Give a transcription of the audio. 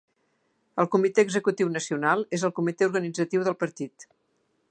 El Comitè Executiu Nacional és el comitè organitzatiu del partit.